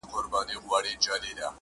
زما په ليدو دي زړگى ولي وارخطا غوندي سي,